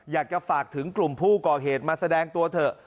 อยากจะฝากถึงกลุ่มผู้ก่อเหตุมาแสดงตัวเถอะ